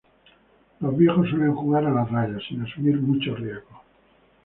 Los viejos suelen jugar a la raya, sin asumir muchos riesgos.